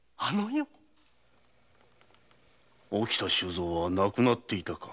沖田収蔵は亡くなっていたか。